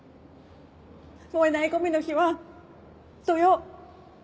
燃えないゴミの日は土曜。